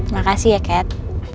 makasih ya kat